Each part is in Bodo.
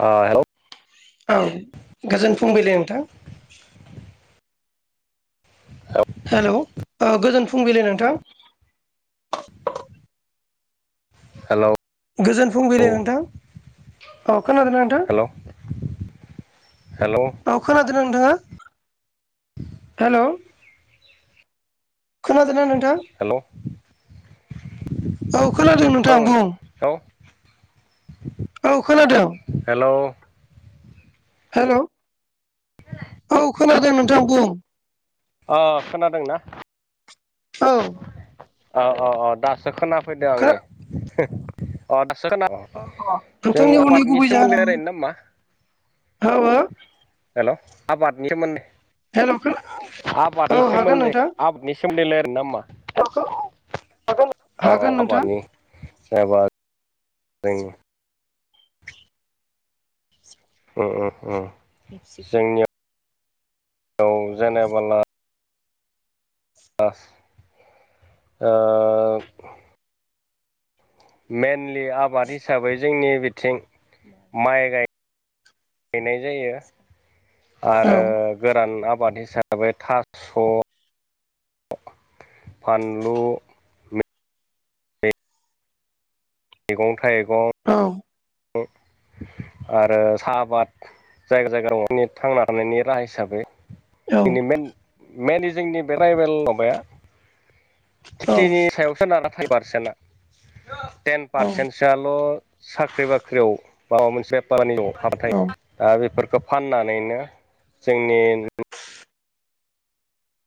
ओ हेलौ औ गोजोन फुंबिल नोंथां। औ हेलौ गोजोन फुंबिलि नोंथां। हेलौ गोजोन फुंबिलि नोंथां औ खोनादों ना हेलौ हेलौ नोंथां? खोनादोंनो नोंथाङा हेलौ खोनादों ना नोंथां? हेलौ औ खोनादों नोंथां बुं। खौ औ खोनादों। हेलौ। हेल' औ खोनादों नोंथां बुं। अ खोनादोंना? औ औ औ औ दासो खोनाफैदों आं खो नै। अ दासो खोनाब अ अ जों नोंथांनि हरनाय आबादनि गुबै जाहोना सोमोन्दै मा? रायज्लनो नामा? औ ओ हेलौ आबादनि सोमोन्दै हेलौ खोना आबादनि औ हागोन सोमोन्दै नोंथां आबाद बेसिम देलाय आरो मा औ औ हागोन नोंथां आबादनि जेनबा जों ओम ओम जोंनियाव जेनेबोला बास ओं मइेनलि आबाद हिसाबै जोंनि बिथिं माइ गाय होनाय जायो औ आरो गोरान आबाद हिसाबै थास' फान लु मैगं थाइगं औ अ आरो साहा आबाद जायगा जायगा दंङ थांना थानायनि राहा हिसाबै औ जोंनि मेनलि जोंनि बे ट्राइबेल माबाया औ फिफ्टिनि सायावसो नाना फाइभ पारसेन्टआ टेन औ पारसेन्टसोआल' फाख्रि बाख्रियाव माबा मोनसे बारानि हाबाथाय औ ओ बेफोरखौ फाननानैनो जोंनि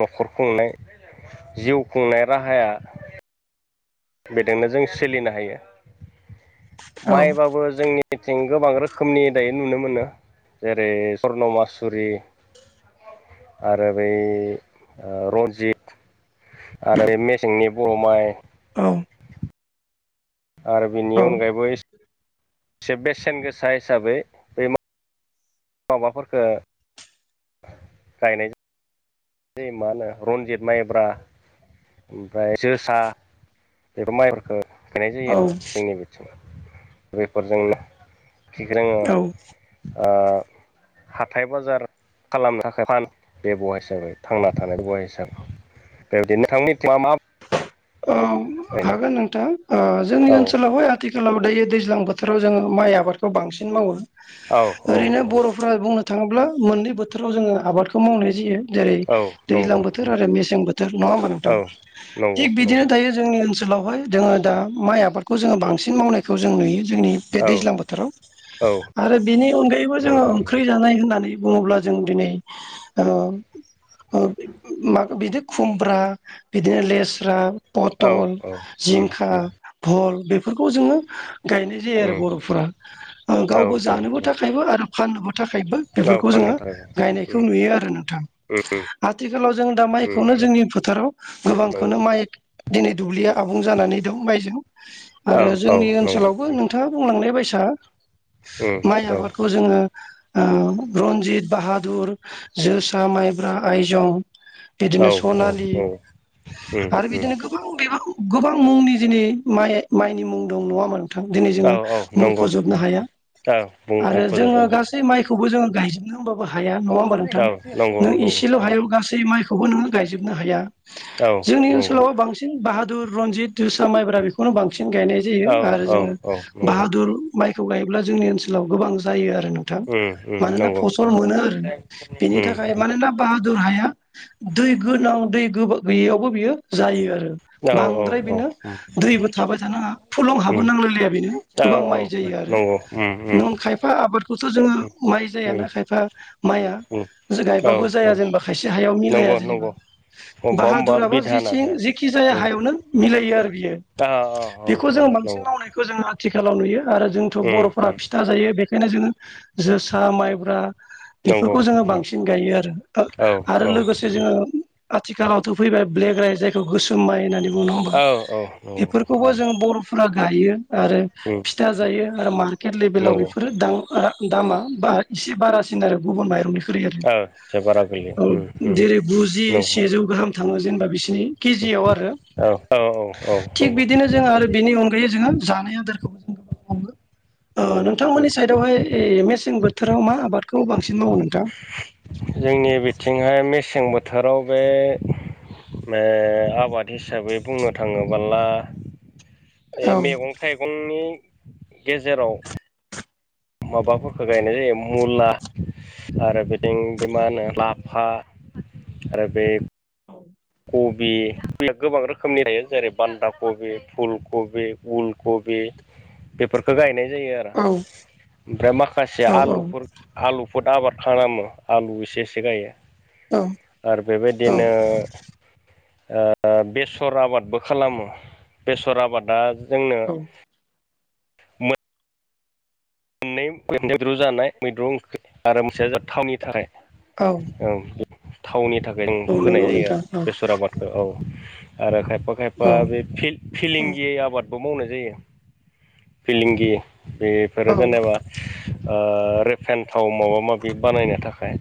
न'खर खुंनाय जिउ खुंनाय राहाया बेदोंनो जों सोलिनो हायो औ माइबाबो जोंनि निथिं गोबां रोखोमनि दायो नुनो मोनो जेरै स्वर्नमासुरि आरो बै ओ रन्जित आरो मेसेंनि बर' माइ, औ। आरो बिनि अनगायैबो एसे बेसेन गोसा हिसाबै माबाफोरफोरखो गायनाय ओ मा होनो रन्जित माइब्रा ओमफ्राय जोसा बेफोर माइफोरखौ गायनाय जायो औ आरो जोंनि बिथिं बेफोरजोंनो कि जोंङो औ ओ हाथाय बाजार खालामनो थाखाय फान बेब'या हिसाबै थांना थानाय बबे हिसाब बेबायदि नोंथांनि मा मा औ गायनो हागोन नोंथां ओ जोंनि औ ओनसोलावहाय आथिखालाव दायो दैज्लां बोथ बोथोराव जोंङो माइ आबादखौ बांसिन मावो। औ औ ओरैनो औ बर' फोर बुंनो थांङोब्ला मोननै बोथोराव जोंङो आबादखौ मावनाय जायो। जेरै औ दैज्लां नंगौ बोथोर उम आरो मेसें बोथोर नंङा हबा औ नोंथां नंगौ थिग बिदिनो नंगौ दायो जोंनि ओनसोलावहाय जोंङो दा माइ आबादखौ जोंङो बांसिन मावनायखौ जों नुयो जोंनि बे औ दैज्लां बोथोराव औ आरो बेनि अनगायैबो जोंङो नंगौ ओंख्रि जानाय होननानै बुंङोब्ला जों दिनै ओ ओ मा बिदि खुमब्रा बिदिनो लेस्रा औ पथल औ उम जिंखा उम भल बेफोरखौ जोंङो गायनाय बि आरो उम बर'फोरा औ गावबो औ जानोबो थाखायबो आरो फाननोबो थाखायबो औ बेफोरखौ जोंङो फाननो थाखाय उम गायनायखौ नुयो आरो नोंथां। उम आथिखालाव जों दा उम माइखौनो उम जोंनि फोथाराव नंगौ गोबांखौनो माइ दिनै दुब्लिया आबुं जानानै दं माइजों औ आरो औ जोंनि नंगौ ओनसोलावबो नों उम नोंथांङा बुंलांनाय बायसा उम माइ औ नंगौ उम औ आबादखौ जोंङो ओ रन्जित, बाहादुर जोसा, माइब्रा, आइजं, औ बिदिनो स'नालि आरो बिदिनो गोबां बेबा गोबां मुंनि दिनै माइ माइनि मुं दं नङा थां दिनै जोंङो नंगौ मुंखजोबनो उम हाया औ बुं आरो जोंङो मख'जोबनो गासै माइखौबो जोंङो गायजा नों हबाबो हाया नंङा होमबा नोंथां औ नंगौ नों नंगौ एसेल' उम हायाव गासै माइखौबो नोंङो गायजोबनो हाया औ जोंनि नंगौ ओनसोलाव बांसिन बाहादुर, रनजित जोसा, माइब्रा बेखौनो बांसिन गायनाय जायो औ आरो औ जोंङो औ। नंगौ बाहादुर माइखौ गायोब्ला जोंनि ओनसोलाव गोबां जायो आरो थां उम उम मानोना नंगौ फसल नंगौ मोनो आरो बेनि उम थाखाय मानोना बाहादुर हाया दै गोनां दै गैयैयावबो बियो जायो आरो। औ बांद्राय बेनो उम दैबो थाबाय थानांङा फुलं हाबो नांलायलाया बेनो औ गोबां औ माइ जायो आरो। नंगौ उम उम नों खायफा आबादखौथ' जोंङो माइ उम जायाना खायफा माइआ उम औ गायबाबो जाया औ जेनेबा खायसे हायाव मिलाया नंगौ जेनेबा नंगौ अबेबा अबेबा बाहादुराबा जि बिधाना जाया जेखि जाया उम हायावनो मिलायो आरो बियो। औ औ औ बेखौ जों औ बांसिन नंगौ मावनायखौ जों आथिखालाव नुयो आरो जोंथ' उम बर'फोरा उम फिथा जायो बे बेखायनो जों जोसा माइब्रा नंगौ बेफोरखौ जोङो उम बांसिन गायो आरो औ आरो औ लोगोसे उम जोङो आथिखालावथ' फैबाय ब्लेक राइस जायखौ गोसोम माइ होननानै बुंङो होबा औ औ नंगौ बेफोरखौबो उम जों बर' फा गायो आरो उम फिथा जायो आरो मार्केट लेभेलाव नंगौ ओ बेफोरो दां दामा ब एसे बारासिन आरो गुबुन माइरंनिफ्राय। आरो एसे बारा गोलैयो औ उम उम जेरै गुजि नंगौ सेजौ गाहाम थाङो जेनेबा बिसनि केजियाव आरो औ औ औ औ थिख नंगौ बिदिनो जों आरो बिनि अनगायै जोङो जानाय आदारखौबो जों गोबां मावो नोंथांमोननि उम साइदआवहाय ए मेसें बोथोराव मा आबादखौ बांसिन मावो नोंथां। जोंनि बिथिंहाय मेसें बोथोराव बे आबाद हिसाबै बुंनो थाङोबोला औ मैगं थाइगंनि गेजेराव। माबाफोरखौ गायनाय जायो मुला आरो बिदिं बे औ मा होनो लाफा आरो बे औ। कबि कबिया गोबां रोखोमनि लायो जेरै बान्दा कबि फुल कबि उलकबि। बेफोरखौ गायनाय जायो आरो औ ओमफ्राय माखासे आलुफोर। आलुफोर आबाद खालामो आलु एसे एसे गायो। औ आरो औ बेबायदिनो ओ बेसर आबादबो खालामो बेसर आबादा जोंनो औ मोन मोननै मैद्रु जानाय मैद्रु ओंख्रि आरो मोनसेया थावनि थाखाय। औ। थावनि थाखाय जों फोनाय नंगौ जायो नोंथां आरो औ बेसर आबाद। औ आरो खायफा खायफा बे औ फिलिंगियै आबाद बो मावनाय जायो फिलिंगि बेफोरो जेनेबा ओ रेफेन थाव माबा माबि बानायनो थाख थाखाय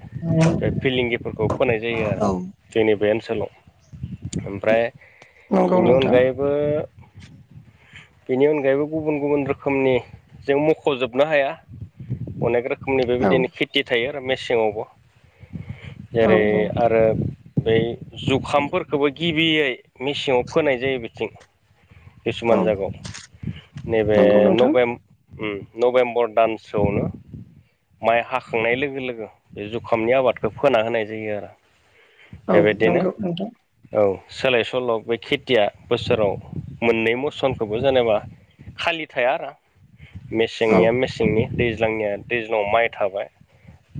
बे फिलंगिफोरखौ फोनाय जायो औ आरो जोंनि बे ओनसोलाव। ओमफ्राय नंगौ बेनि नोंथां अनगायै [unintelligible] बेनि अनगायैबो गुब गुबुन रोखोमनि जों म जोबनो हाया अनेक रोखोमनि बेबायदिनो औ खिथि [inaudible] थायो आरो मेसेङावबो औ जेरै आर ओ बै जुखामफोरखौबो गिबियै मेसेङाव फोनाय जायो बिथिं। किसुमान जागायाव नैबे नंगौ नोंथां नभेम नभेम्बर दानसोआवनो। माइ हाखांनाय लोगो लोगो बे जुखामनि आबादखौ फोना होनाय जायो आरो। औ बेबायदिनो नंगौ नोंथां औ सोलाय सोल' बे खेथिया बोसोराव मोननै मसनखौबो जेनेबा खालि थाया आरो। औ मेसेंनिया मेसेंनि दैज्लांनिया दैज्लां माइ थाबाय।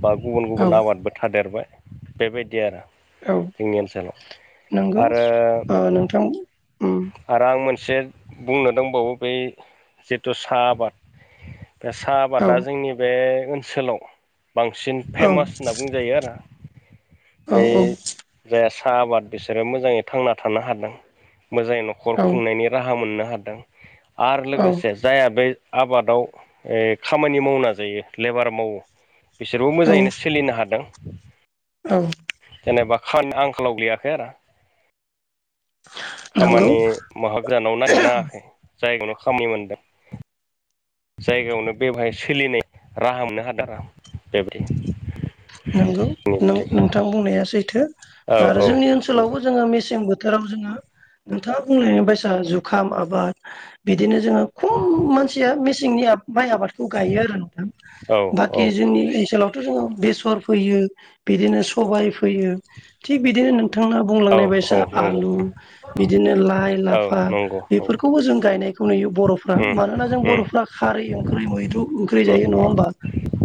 बा गुबुन औ गुबुन आबादबो थादेरबाय बेबायदि आरो। औ जोंनि ओनसोलाव नंगौ आरो ओ नोंथां उम। आरो आं मोनसे बुंनो दंबावो बै जिथु साहा आबाद बे साहा औ आबादा जोंनि बे ओनसोलाव बांसिन। औ फेमास होनना बुंजायो आरो औ बै जाय साहा आबाद बिसोरो मोजाङै थांना थानो हादों मोजाङै न'खर औ खुंनायनि राहा मोननो हादों आरो लोगोसे औ जायहा बे आबादाव खामानि मावना जायो लेबार मावो बिसोरबो औ मोजाङैनो सोलिनो हादों। औ जेनेबा आंखालाव गैयाखै आरो नंगौ खामानि माबा गोजानाव नागिरनााङाखै जायगायावनो खामानि मोनदों। जायगायावनो बे बहाय सोलिनाय राहा मोननो हादों बेबायदि नोंगौ नों नोंथां बुंनाया सैथो। औ आरो औ जोंनि नंगौ ओनसोलावबो जोङो मेसें बोथोराव जोङो नोंथाङा बुंनायनि बायसा जुखाम आबाद बिदिनो जोङो खम मानसिया मेसिंनि माइ आबाद खौ गायो आरोना नोंथां औ बाखि औ जोंनि ओनसोलावथ' जोङो बेसर फोयो बिदिनो सबायाइ फैयो थिग बिदिनो नोंथां ना औ बुंलांनाय औ बायसा नंगौ आलु बिदिनो लाइ औ लाफा नंगौ औ बेफोरखौबो जों गायनाय खौ नुयो बर'फ्रा उम मानोना जों उम बर'फ्रा खारै ओंखै मैद्रु ख्रै उम जायो नङा होमबा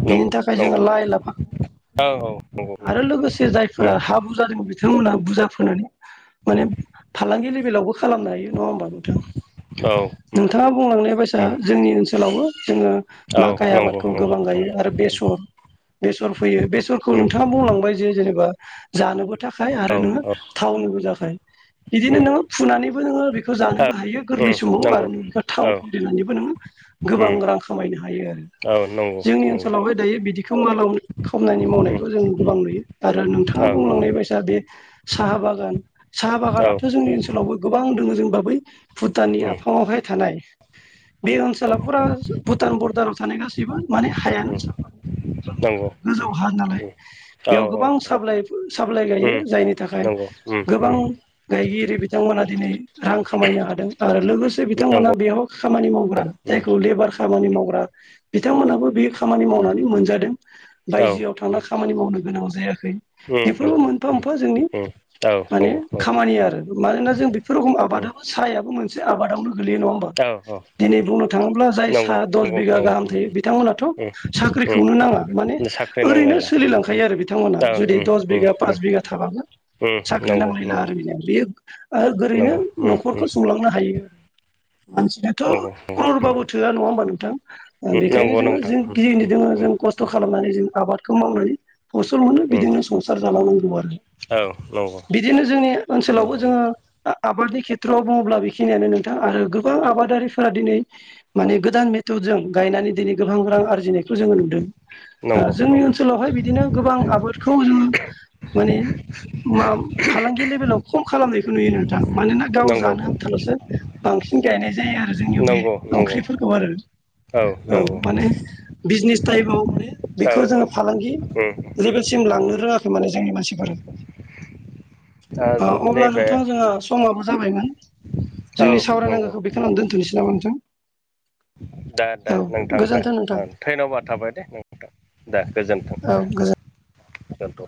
बिनि नंगौ थाखाय नंगौ जोङो लाइ लाफा औ औ नंगौ आरो लोगोसे जायफोरा उम हाबु जादों बिथांमोना बुरजा फोनानै माने फालांगि लेभेलावबो खालामनो हायो नङा होमबा नोंथां? औ नों थाङा बुंलांनाय बायस उम जोंनि ओनसोलावबो जोङो औ माखाइ नंगौ आबादखौ नंगौ गोबां औ गायो आरो बेसर बेसर फैयो बेसरखौ उम नोंथाङा बुंलां बाय जे जेनेबा जानोबो थाखाय औ आरो नोङो थावनोबो थाखाय। बिदिनो उम नोङो फुनानैबो नोङो बेखौ औ जानोबो हायो गोरलै उम समाव नंगौ आरो बेखौ थाव औ उम फेलिनानैबो नोङो गोबां रां खामायनो हायो आरो। औ नंगौ उम औ उम औ उम नंगौ उम औ औ नंगौ जोंनि नंगौ ओनसोलावहाय दायो बिदिखौ मालाव खामनायनि मावनायखौ जों गोबां नुयो आरो नोंथाङा बुंलांनाय बायसा बे साहा बागान साहा बागानाथ' जोंनि ओनसोल सोलावबो गोबां दङ जों ब बै भुटाननि आफाङावहाय थानाय बे ओनसोलााव फुरा भुटान बरदाराव थानाय गासैबो माने हायानो साफा [unintelligible] बेयाव गोबां साइ साप्लइ गायो जायनि थाखाय गोबां गायगिरि बिथांमोना दिनै रां खामायनो हादों। ओ लोगोसे बिथांमोना बेयाव खामानि मावग्रा जायखौ लेबार खामानि मावग्रा बिथांमोनाबो बे खामानि मावनानै मोनजादों। बायजोआव थांना खामानि मावनो गोनां जायाखै बेफोरबो मोनफा मोनफा जोंनि औ माने औ खामानि आरो मानोना जों बेफोर रोखोम आबादाबो साहायाबो मोनसे आबादावनो गोलैयो नङा होमबा औ दिनै बुंनो थाङोब्ला जाय नंगौ साहा दस नंगौ बिगा नंगौ गाहाम उम थायो बिथांमोनाथ' साख्रिखौनो नाङा माने उम साख्रि ओरैनो नांलायला उम उम सोलिलांखायो आरो बिथांमोना औ जुदि उम दस उम बिघा उम पास बिघा थाबाबो उम साख्रि नंगौ नांलायला नंगौ आरो बेनो बेयो ओरैनो नंगौ उम न'खरखौ उम स नोहायो हानसि थ' नंगौ क्ररबाबो उम थोआ नङा होमबा नोंथां बेखायनो नंगौ जोङो नोंथां जों उम गिदिं गि दोङ जों खस्थ' उम खस्थ' खालामनानै जों आबादखौ मावनानै फसल मोनो बिदिनो संसार जालांनांगौ आरो। उम औ नंगौ बिदिनो जोंनि ओनसोलावबो जोङो आबादनि खेथ्रआव बुङोब्ला बेखिनियानो नोंथां आरो गोबां आबादारिफोरा दिनै माने गोदान मेथदजों गायनानै दिनै गोबां रां आरजिनायखौ जों नुदों। नंगौ ओ नंगौ जोंनि ओनसोलावहाय बिदिनो गोबां आबादखौ जोङो माने मा फालांगि लेभेलाव खम खालामनायखौ नुयो नोंथां मानोना गाव जानो आनथाल'सो बांसिन गायनाय जायो। आरो जोंनियाव बे नंगौ नंगौ ओंख्रिफोरखौ आरो औ माने बिजनेस टाइमाव माने औ बेखौ जोङो फालांगि उम लेभेलसिम लांनो रोङाखै माने जोंनि मानसिफोरा दा अब्ला नैबे नोंथाङा जोंहा समाबो जाबायमोन औ जोंनि नंगौ सावरायनांगौखौ बे खालामदों दोनथनोसै नामा नोंथां दे दे औ नोंथां दे गोजोन्थों नोंथां ओं धैन्य'बाद थाबाय दे नोंथां दे गोजोन्थों औ दे द गोजोन गोजोनथ'